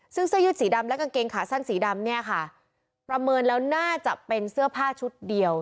ซึ่งเสื้อยืดสีดำและกางเกงขาสั้นสีดำเนี่ยค่ะประเมินแล้วน่าจะเป็นเสื้อผ้าชุดเดียว